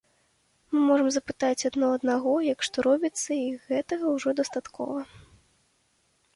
Мы можам запытаць адно аднаго, як што робіцца, і гэтага ўжо дастаткова.